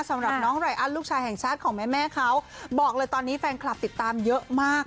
สำหรับน้องไรอันลูกชายแห่งชาติของแม่แม่เขาบอกเลยตอนนี้แฟนคลับติดตามเยอะมาก